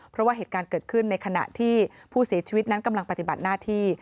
เพราะว่าเหตุการณ์เกิดขึ้นในขณะที่ผู้เสียชีวิตนั้นกำลังปฏิบัติหน้าที่